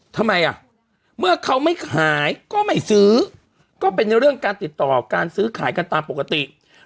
ทำไมอ่ะเมื่อเขาไม่ขายก็ไม่ซื้อก็เป็นเรื่องการติดต่อการซื้อขายกันตามปกติ